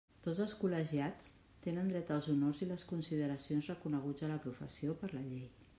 Tots els col·legiats tenen dret als honors i les consideracions reconeguts a la professió per la llei.